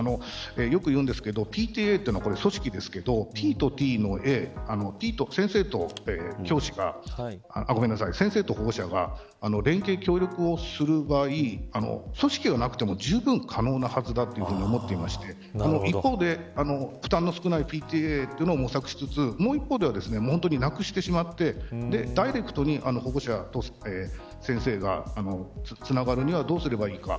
よくいうんですけどＰＴＡは組織ですけど先生と保護者が連携、協力をする場合組織がなくてもじゅうぶん可能なはずだと思っていましてその一方で負担の少ないＰＴＡを模索しつつもう一方では、なくしてしまってダイレクトに保護者と先生がつながるにはどうすればいいか。